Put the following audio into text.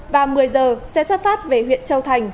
và một mươi giờ xe xuất phát về huyện châu thành